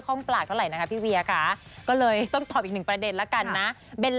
ก็น่าจะเป็นอะไรที่ดีช่วงนี้เขาก็ค่อนข้างเหนื่อย